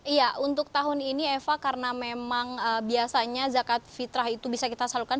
iya untuk tahun ini eva karena memang biasanya zakat fitrah itu bisa kita salurkan